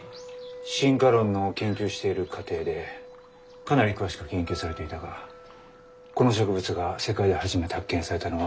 進化論の研究している過程でかなり詳しく研究されていたがこの植物が世界で初めて発見されたのはインド。